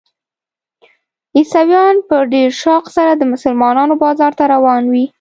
عیسویان په ډېر شوق سره د مسلمانانو بازار ته روان وي.